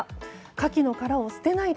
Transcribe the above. カキの殻を捨てないで！